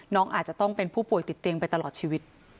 น้องอาจจะต้องเป็นผู้ป่วยติดเตียงไปตลอดชีวิต